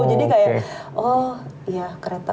jadi kayak oh ya kereta